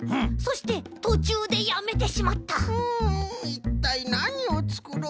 いったいなにをつくろうと。